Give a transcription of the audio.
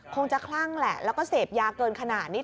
คงจะคลั่งแหละแล้วก็เสพยาเกินขนาดนี้